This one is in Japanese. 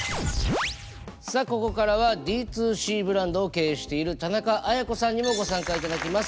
さあここからはＤ２Ｃブランドを経営している田中絢子さんにもご参加いただきます。